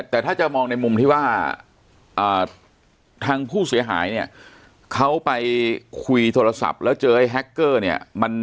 แต่ถ้าจะมองในมุมที่ว่าทางผู้เสียหายเนี่ยเขาไปคุยโทรศัพท์แล้วเจอไอ้แฮคเกอร์เนี่ย